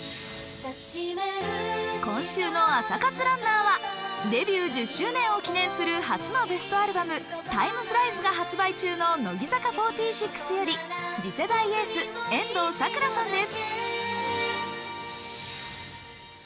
今週の朝活ランナーはデビュー１０周年を記念する初のベストアルバム「Ｔｉｍｅｆｌｉｅｓ」が発売中の乃木坂４６より次世代エース遠藤さくらさんです。